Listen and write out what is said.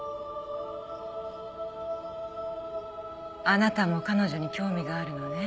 あなたも彼女に興味があるのねＵＭＡ−Ⅱ。